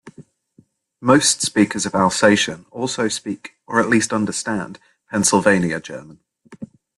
Most speakers of Alsatian also speak or at least understand Pennsylvania German.